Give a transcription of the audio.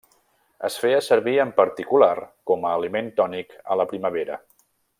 Es feia servir en particular com a aliment tònic a la primavera.